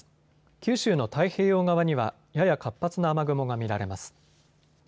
九州の太平洋側にはやや活発な雨雲が見られます。